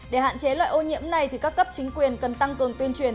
để hạn chế loại ô nhiễm này thì các cấp chính quyền cần tăng cường tuyên truyền